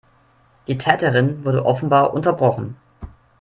Die Täterin wurde offenbar unterbrochen.